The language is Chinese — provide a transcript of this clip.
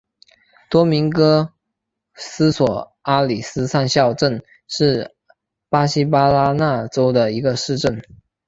多明戈斯索阿里斯上校镇是巴西巴拉那州的一个市镇。